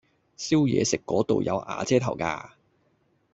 燒嘢食嗰度有瓦遮頭㗎